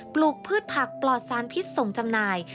ลูกพืชผักปลอดสารพิษส่งจำหน่าย